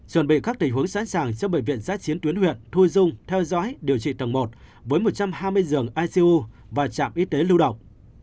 chuẩn bị các tình huống sẵn sàng cho bệnh viện giác chiến tuyến huyện thu dung theo dõi điều trị tầng một với một trăm hai mươi dường icu và trạm y tế lưu độc